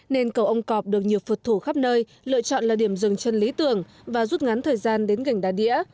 nên cầu ông cọp được nhiều phật thủ khắp nơi lựa chọn là điểm dừng chân lý tưởng và rút ngắn thời gian đến gành đá đĩa